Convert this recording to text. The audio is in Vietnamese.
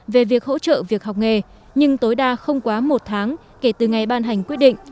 về việc hỗ trợ việc học nghề nhưng tối đa không quá một tháng kể từ ngày ban hành quyết định